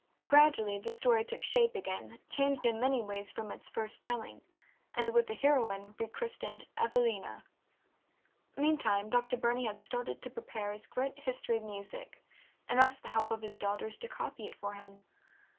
Gradually the story took shape again, changed in many ways from its first telling, and with the heroine rechristened Evelina. Meantime Dr. Burney had started to prepare his great History of Music, and asked the help of his daughters to copy it for him.